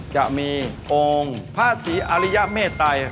จะมีองค์ภาษีอริยะเมตัย